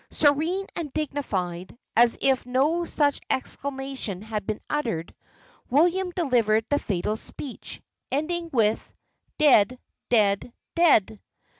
Serene and dignified, as if no such exclamation had been uttered, William delivered the fatal speech, ending with, "Dead, dead, dead."